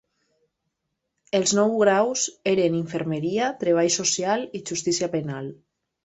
Els nous graus eren infermeria, treball social i justícia penal.